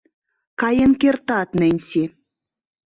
— Каен кертат, Ненси.